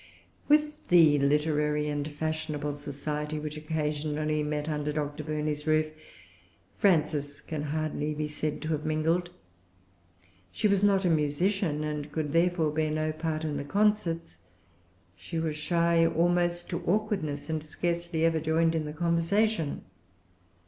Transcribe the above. With the literary and fashionable society, which occasionally met under Dr. Burney's roof, Frances can scarcely be said to have mingled. She was not a musician, and could therefore bear no part in the concerts. She was shy almost to awkwardness, and scarcely ever joined in the conversation.